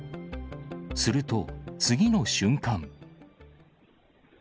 すると、次の瞬間。